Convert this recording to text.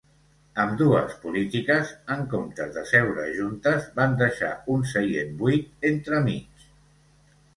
Ambdues polítiques, en comptes de seure juntes, van deixar un seient buit entremig.